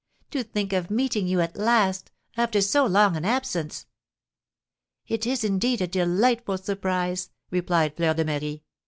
"To think of meeting you at last, after so long an absence!" "It is, indeed, a delightful surprise!" replied Fleur de Marie.